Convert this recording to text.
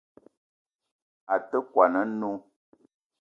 A te kwuan a-nnó